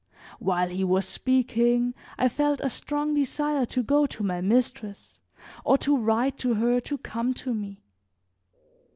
While he was speaking I felt a strong desire to go to my mistress, or to write to her to come to me.